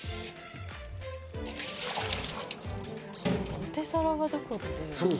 ポテサラがどこで。